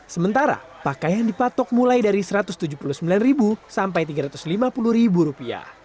sementara pakaian dipatok mulai dari rp satu ratus tujuh puluh sembilan sampai rp tiga ratus lima puluh